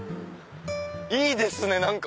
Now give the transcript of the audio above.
いいですね何か。